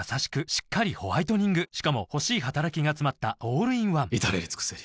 しっかりホワイトニングしかも欲しい働きがつまったオールインワン至れり尽せり